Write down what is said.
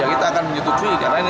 kita akan menyetujui karena ini